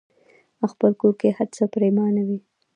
خپل کور کې هرڅه پريمانه وي.